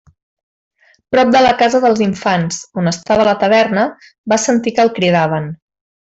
Prop de la casa dels Infants, on estava la taverna, va sentir que el cridaven.